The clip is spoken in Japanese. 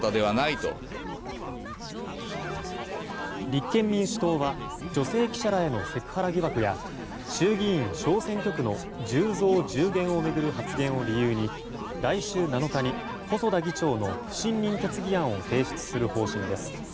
立憲民主党は女性記者らへのセクハラ疑惑や衆議院小選挙区の１０増１０減を巡る発言を理由に来週７日に細田議長の不信任決議案を提出する方針です。